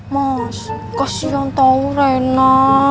mas kasihan tau rena